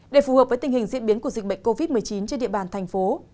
để phù hợp với tình hình diễn biến của dịch bệnh covid một mươi chín trên địa bàn thành phố